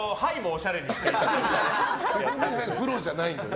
プロじゃないんで。